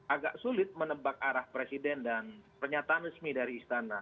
agak sulit menebak arah presiden dan pernyataan resmi dari istana